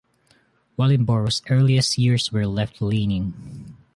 Wellingborough's earliest years were left-leaning.